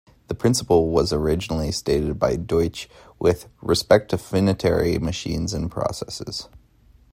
The principle was originally stated by Deutsch with respect to finitary machines and processes.